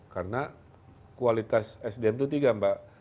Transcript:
karena kualitas sdm itu tiga mbak